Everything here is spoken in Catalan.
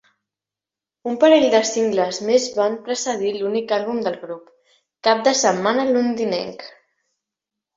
Un parell de singles més van precedir l'únic àlbum del grup: "Cap de setmana londinenc".